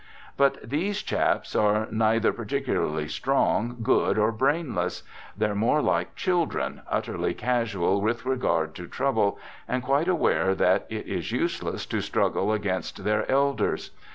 But these chaps are neither par ticularly strong, good, or brainless ; they're more like children, utterly casual with regard to trouble, and quite aware that it is useless to struggle against their elders.